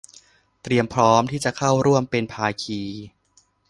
เตรียมพร้อมที่จะเข้าร่วมเป็นภาคี